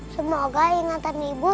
semoga ingatan ibu